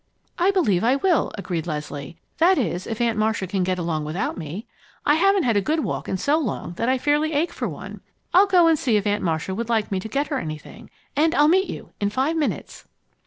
"I believe I will," agreed Leslie, "that is, if Aunt Marcia can get along without me. I haven't had a good walk in so long that I fairly ache for one. I'll go and see if Aunt Marcia would like me to get her anything, and I'll meet you in five minutes."